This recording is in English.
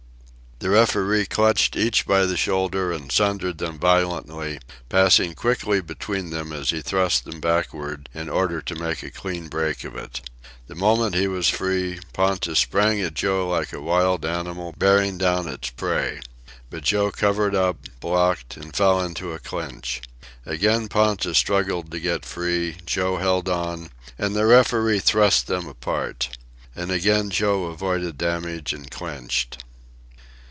The referee clutched each by the shoulder and sundered them violently, passing quickly between them as he thrust them backward in order to make a clean break of it. The moment he was free, Ponta sprang at Joe like a wild animal bearing down its prey. But Joe covered up, blocked, and fell into a clinch. Again Ponta struggled to get free, Joe held on, and the referee thrust them apart. And again Joe avoided damage and clinched.